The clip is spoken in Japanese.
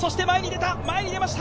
前に出ました！